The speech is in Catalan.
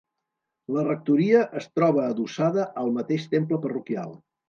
La Rectoria es troba adossada al mateix temple parroquial.